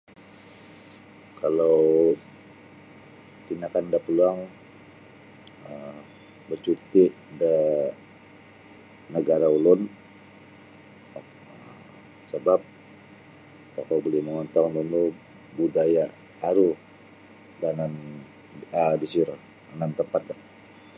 Kalau tinakan da peluang um bercuti da negara ulun um sebap tokou buli mongontong nunu budaya aru da anan disiro da tempat do.